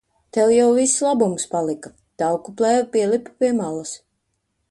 Tev jau viss labums palika. Tauku plēve pielipa pie malas.